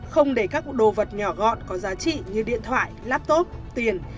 không để các đồ vật nhỏ gọn có giá trị như điện thoại laptop tiền